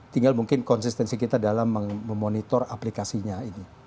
tinggal mungkin konsistensi kita dalam memonitor aplikasinya ini